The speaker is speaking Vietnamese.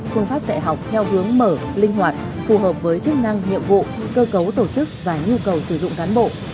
phương pháp dạy học theo hướng mở linh hoạt phù hợp với chức năng nhiệm vụ cơ cấu tổ chức và nhu cầu sử dụng cán bộ